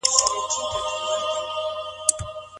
بيسواده ميرمن ولي صابره ګڼل کيږي؟